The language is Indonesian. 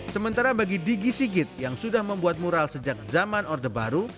sementara bagi digi sigit yang sudah membuat mural sejak zaman orde baru